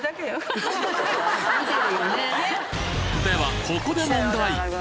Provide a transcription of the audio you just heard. ではここで問題！